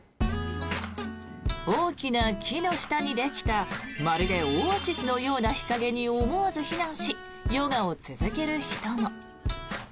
大きな木の下にできたまるでオアシスのような日陰に思わず避難しヨガを続ける人も。